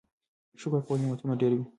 شکر کول نعمتونه ډیروي.